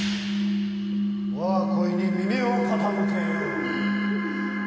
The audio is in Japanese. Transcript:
我が声に耳を傾けよ。